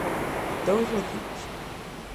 Dous recibos.